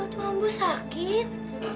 amu ambu sakit